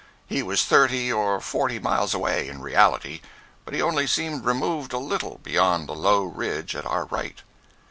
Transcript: He was thirty or forty miles away, in reality, but he only seemed removed a little beyond the low ridge at our right.